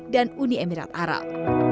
dan uni emirat arab